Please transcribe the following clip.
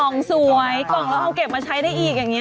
สวยกล่องแล้วเอาเก็บมาใช้ได้อีกอย่างนี้